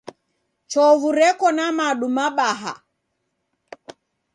Chovu Reko na madu mabaha.